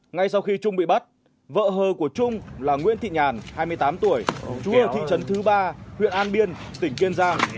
ngay sau khi trung bị bắt vợ hờ của trung là nguyễn thị nhàn hai mươi tám tuổi chú ở thị trấn thứ ba huyện an biên tỉnh kiên giang